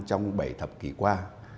trong bảy thập kỷ qua